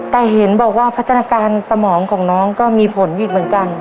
แต่เห็นบอกว่าพัฒนาการสมองของน้องก็มีผลอีกเหมือนกัน